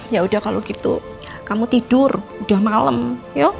ya udah kalau gitu kamu tidur udah malem yuk